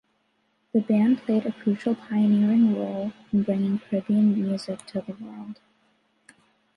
The band played a crucial pioneering role in bringing Caribbean music to the world.